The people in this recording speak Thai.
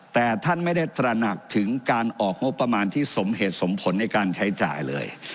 แต่ท่านไม่ได้ตระหนักถึงการออกงบประมาณที่สมเหตุสมผลในการใช้จ่ายเลย